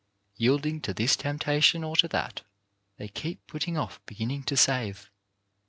Yielding to this temptation or to that, they keep putting off beginning to save.